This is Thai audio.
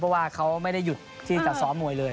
เพราะว่าเขาไม่ได้หยุดที่จะซ้อมมวยเลย